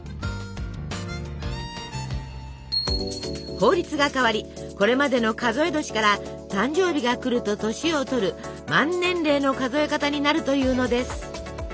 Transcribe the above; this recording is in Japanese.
法律が変わりこれまでの数え年から誕生日が来ると年をとる満年齢の数え方になるというのです。